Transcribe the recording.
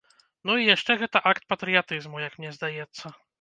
Ну, і яшчэ гэта акт патрыятызму, як мне здаецца.